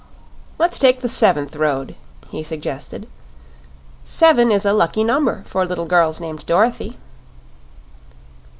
"Let's take the seventh road," he suggested. "Seven is a lucky number for little girls named Dorothy."